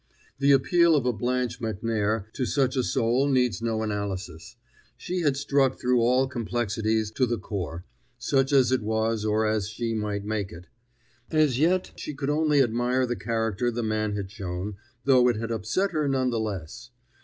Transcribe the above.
The appeal of a Blanche Macnair to such a soul needs no analysis. She had struck through all complexities to the core, such as it was or as she might make it. As yet she could only admire the character the man had shown, though it had upset her none the less.